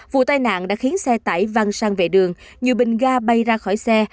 vụ tai nạn đã khiến xe tải văng sang vệ đường nhiều bình ga bay ra khỏi xe